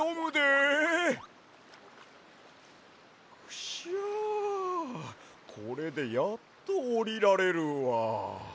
クシャこれでやっとおりられるわ。